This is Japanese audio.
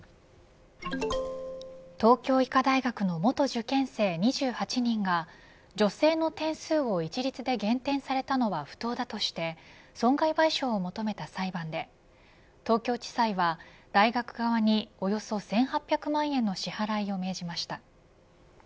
東京医科大学の元受験生２８人が女性の点数を一律で減点されたのは不当だとして損害賠償を求めた裁判で東京地裁は、大学側におよそ１８００万円の支払いを命じました。